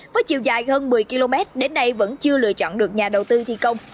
với chiều dài hơn một mươi km đến nay vẫn chưa lựa chọn được nhà đầu tư thi công